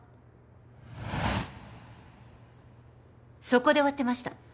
そこで終わってました。